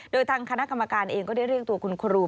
โดยทางคณะกรรมการเองก็ได้เรียกตัวคุณครู